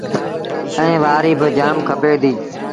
ائيٚݩ وآريٚ باجآم کپي ديٚ۔